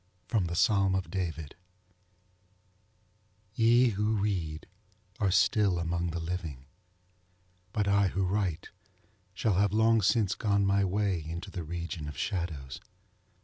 _ ŌĆö_Psalm of David_. Ye who read are still among the living; but I who write shall have long since gone my way into the region of shadows.